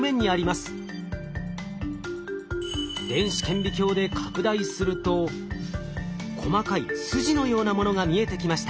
電子顕微鏡で拡大すると細かい筋のようなものが見えてきました。